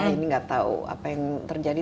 ini nggak tahu apa yang terjadi